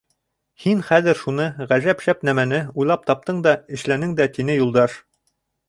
— Һин хәҙер шуны, ғәжәп шәп нәмәне, уйлап таптың да, эшләнең дә, -тине Юлдаш.